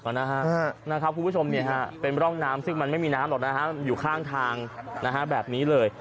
คุณผู้ชมเป็นร่องน้ำซึ่งมันไม่มีน้ำหรอกนะฮะอยู่ข้างทางแบบนี้เลย